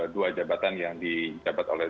dua jabatan yang dijabat oleh